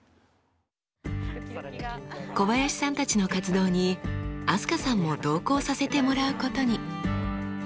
小林さんたちの活動に飛鳥さんも同行させてもらうことに。